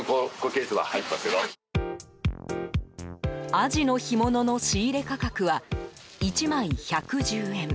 アジの干物の仕入れ価格は１枚１１０円。